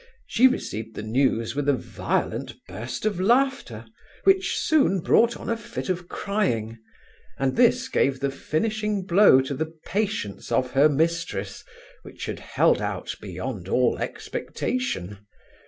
She received the news with a violent burst of laughter, which soon brought on a fit of crying; and this gave the finishing blow to the patience of her mistress, which had held out beyond all expectation.